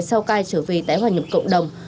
sau cai trở về tái hòa nhập cộng đồng